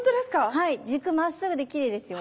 はい軸まっすぐできれいですよ。